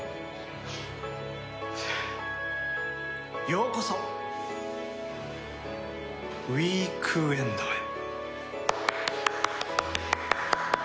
ようこそウィークエンドへ。